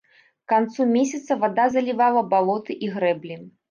К канцу месяца вада залівала балоты і грэблі.